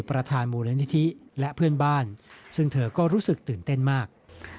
ประธานมูลนิธิและเพื่อนบ้านซึ่งเธอก็รู้สึกตื่นเต้นมาก